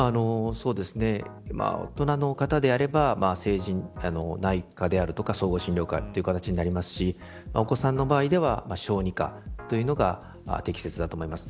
大人の方であれば内科であるとか総合診療科ということになりますしお子さんの場合では小児科というのが適切だと思います。